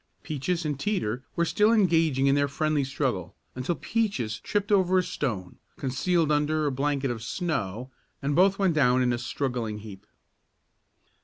Peaches and Teeter were still engaged in their friendly struggle, until Peaches tripped over a stone, concealed under a blanket of snow, and both went down in a struggling heap.